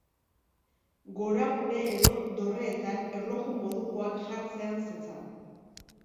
Goragune edo dorreetan erloju modukoak jartzean zetzan.